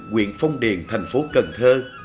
quyền phong điền thành phố cần thơ